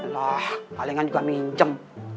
lah palingan juga minjem